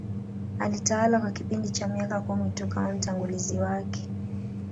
Alitawala kwa kipindi cha miaka kumi tu kama mtangulizi wake